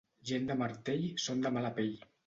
Gent de martell són de mala pell.